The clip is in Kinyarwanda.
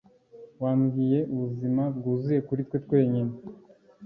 wambwiye ... ubuzima bwuzuye kuri twe twenyine